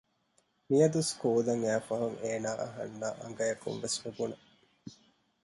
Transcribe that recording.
މިޔަދު ސްކޫލަށް އައިފަހުން އޭނާ އަހަންނާ އަނގައަކުން ވެސް ނުބުނެ